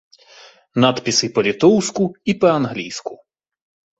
Надпісы па-літоўску і па-англійску.